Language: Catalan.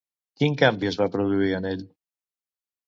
Quin canvi es va produir en ell?